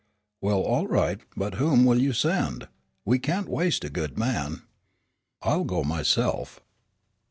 "Well, all right; but whom will you send? We can't waste a good man." "I'll go myself."